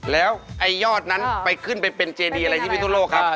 แล้วไอ้ยอดนั้นไปขึ้นไปเป็นเจดีอะไรที่พิศนุโลกครับ